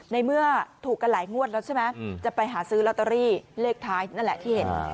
ในเมื่อถูกกันหลายงวดแล้วใช่ไหมจะไปหาซื้อลอตเตอรี่เลขท้ายนั่นแหละที่เห็น